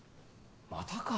またか。